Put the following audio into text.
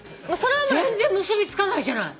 全然結び付かないじゃない！